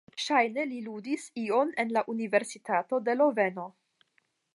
Ŝajne li studis ion en la Universitato de Loveno.